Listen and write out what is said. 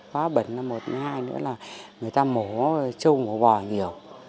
khóa bẩn là một hai nữa là người ta mổ châu mổ bò nhiều